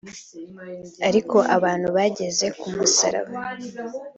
Ariko abantu bageze ku musaraba